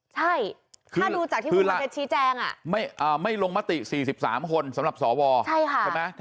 ใช่ถ้าดูจากที่คุณวันเพชรชี้แจงไม่ลงมติ๔๓คนสำหรับสวใช่ไหม